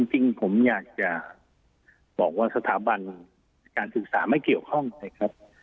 จริงผมอยากจะบอกว่าสถาบันการศึกษาไม่เกี่ยวข้องนะครับ